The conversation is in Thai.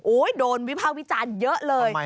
โดนวิภาควิจารณ์เยอะเลย